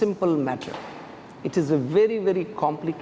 ini adalah hal yang sangat sangat komplik